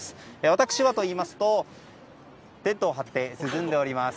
私はといいますとテントを張って涼んでおります。